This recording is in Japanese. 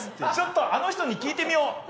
ちょっとあの人に聞いてみよう。